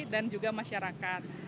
dan juga masyarakat